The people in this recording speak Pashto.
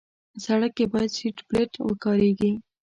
سړک کې باید سیټ بیلټ وکارېږي.